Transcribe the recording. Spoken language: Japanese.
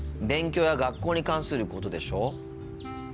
勉強や学校に関することでしょ